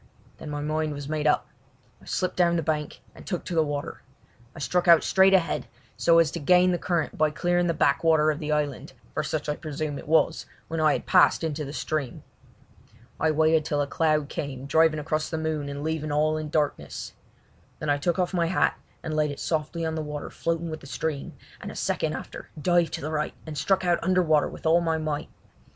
Then my mind was made up. I slipped down the bank and took to the water. I struck out straight ahead so as to gain the current by clearing the backwater of the island, for such I presume it was, when I had passed into the stream. I waited till a cloud came driving across the moon and leaving all in darkness. Then I took off my hat and laid it softly on the water floating with the stream, and a second after dived to the right and struck out under water with all my might.